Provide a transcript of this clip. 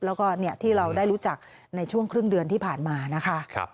แล้วก็ที่เราได้รู้จักในช่วงครึ่งเดือนที่ผ่านมานะคะ